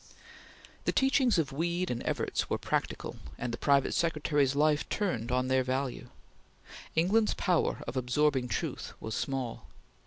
The teachings of Weed and Evarts were practical, and the private secretary's life turned on their value. England's power of absorbing truth was small.